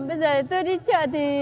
bây giờ thì tôi đi chợ thì